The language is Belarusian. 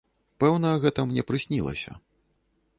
Пэўна, гэта мне прыснілася.